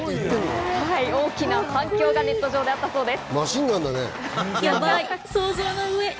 大きな反響がネット上であったそうです。